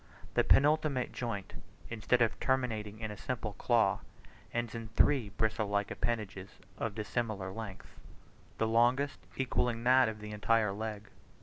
The penultimate joint, instead of terminating in a simple claw, ends in three bristle like appendages of dissimilar lengths the longest equalling that of the entire leg.